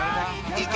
いけ！